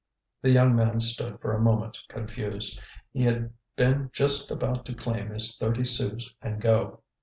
The young man stood for a moment confused. He had been just about to claim his thirty sous and go.